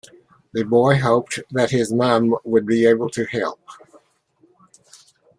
The boy hoped that his mum would be able to help